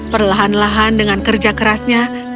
perlahan lahan dengan kerja kerasnya